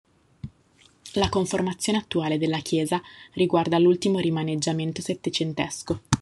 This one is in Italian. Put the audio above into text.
La conformazione attuale della chiesa riguarda l'ultimo rimaneggiamento settecentesco.